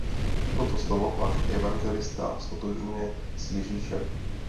Toto slovo pak evangelista ztotožňuje s Ježíšem.